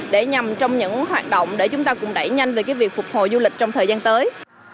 để nhằm trong những hoạt động để chúng ta cùng đẩy nhanh về việc phục hồi du lịch trong thời gian tới